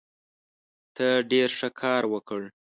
ته ډېر ښه کار وکړ.